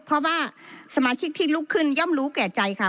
เพราะว่าสมาชิกที่ลุกขึ้นย่อมรู้แก่ใจค่ะ